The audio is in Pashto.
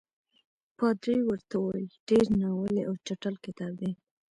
پادري ورته وویل ډېر ناولی او چټل کتاب دی.